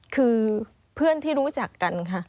คือเพื่อนที่รู้จักกันค่ะ